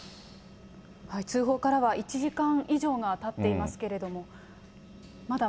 通報からは１時間以上がたっていますけれども。